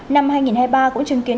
năm hai nghìn hai mươi ba cũng chứng kiến